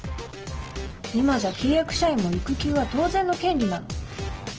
今じゃ契約社員も育休は当然の権利なの。